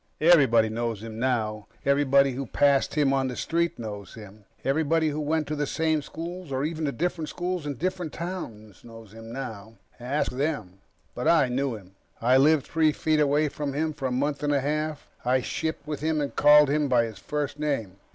Everybody knows him now. Everybody who passed him on the street knows him. Everybody who went to the same schools, or even to different schools in different towns, knows him now. Ask them. But I knew him. I lived three feet away from him for a month and a half. I shipped with him and called him by his first name.